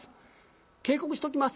警告しときます。